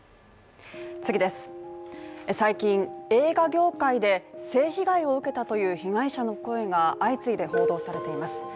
最近、映画業界で性被害を受けたという被害者の声が相次いで報道されています。